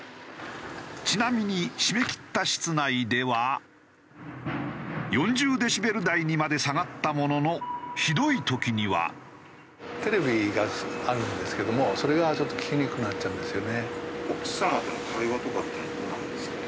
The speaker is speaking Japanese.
ちなみに閉め切った室内では４０デシベル台にまで下がったもののひどい時には。テレビがあるんですけどもそれがちょっと聞きにくくなっちゃうんですよね。